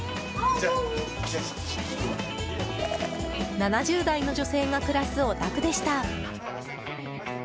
７０代の女性が暮らすお宅でした。